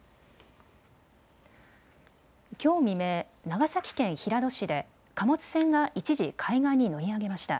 きょう未明、長崎県平戸市で貨物船が一時、海岸に乗り上げました。